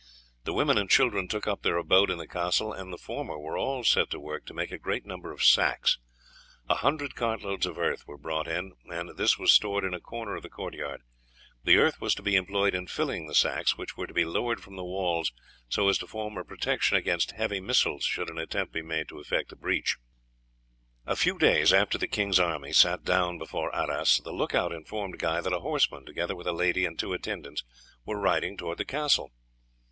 The women and children took up their abode in the castle, and the former were all set to work to make a great number of sacks. A hundred cart loads of earth were brought in, and this was stored in a corner of the court yard. The earth was to be employed in filling the sacks, which were to be lowered from the walls so as to form a protection against heavy missiles, should an attempt be made to effect a breach. [Illustration: GUY WELCOMES THE COUNT OF MONTEPONE AND HIS DAUGHTER TO VILLEROY.] A few days after the king's army sat down before Arras, the look out informed Guy that a horseman, together with a lady and two attendants, were riding towards the castle.